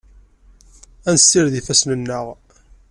Ad nessired ifassen-nneɣ.